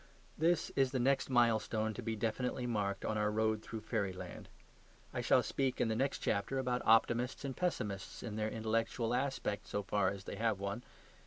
This is the next milestone to be definitely marked on our road through fairyland. I shall speak in the next chapter about optimists and pessimists in their intellectual aspect, so far as they have one.